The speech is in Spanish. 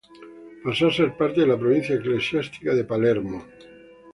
Pasó a ser parte de la provincia eclesiástica de Palermo.